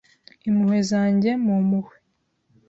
Impuhwe zanjye mu mpuhwe